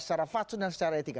secara fatsun dan secara etika